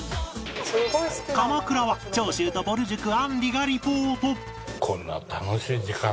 鎌倉は長州とぼる塾あんりがリポート